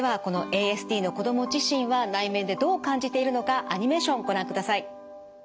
このＡＳＤの子ども自身は内面でどう感じているのかアニメーションをご覧ください。